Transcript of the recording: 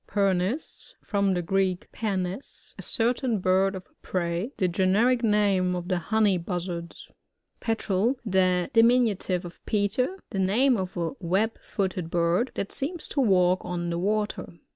Pernis. — From the Greek, pernes^ a certain bird of Prey, fhe generic name of the Honey Buzzards. Petrel.— The diminutive of Peter. The name of a web footed bird, that seems to walk on the water.